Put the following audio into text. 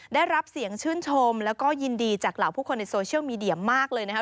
ได้รับเสียงชื่นชมแล้วก็ยินดีจากเหล่าผู้คนในโซเชียลมีเดียมากเลยนะครับ